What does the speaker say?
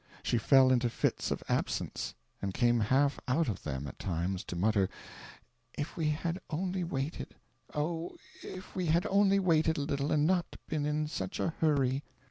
She fell into fits of absence; and came half out of them at times to mutter "If we had only waited! oh, if we had only waited a little, and not been in such a hurry!"